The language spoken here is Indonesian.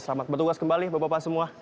selamat bertugas kembali bapak bapak semua